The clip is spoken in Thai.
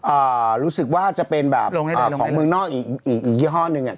อ่ารู้สึกว่าจะเป็นแบบของเมืองนอกอีกยี่ห้อหนึ่งเนี่ย